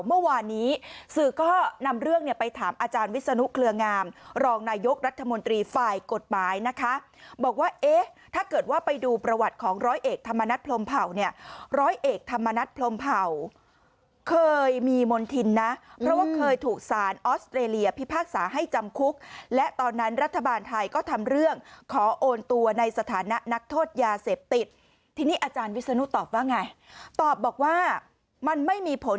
เมื่อวานนี้สื่อก็นำเรื่องเนี่ยไปถามอาจารย์วิศนุเคลืองามรองนายกรัฐมนตรีฝ่ายกฎหมายนะคะบอกว่าเอ๊ะถ้าเกิดว่าไปดูประวัติของร้อยเอกธรรมนัฐพลมเผาเนี่ยร้อยเอกธรรมนัฐพลมเผาเคยมีมณฑินนะเพราะว่าเคยถูกสารออสเตรเลียพิพากษาให้จำคุกและตอนนั้นรัฐบาลไทยก็ทำเรื่องขอโอนตัวในสถา